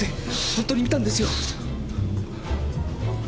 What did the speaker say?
ほんとに見たんですよ。